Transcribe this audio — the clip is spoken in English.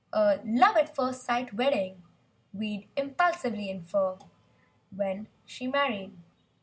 "A love at! first sight wedding" we'd impulsively infer— When she married.